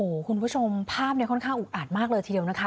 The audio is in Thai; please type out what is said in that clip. โอ้โหคุณผู้ชมภาพเนี่ยค่อนข้างอุกอาดมากเลยทีเดียวนะคะ